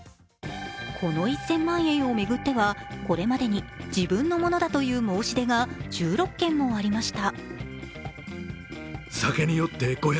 この１０００万円を巡ってはこれまでに自分のものだという申し出が１６件もありました。